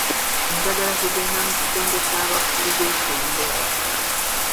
Njagala kugenda mu kisenge ky'abakulu b'ekyombo.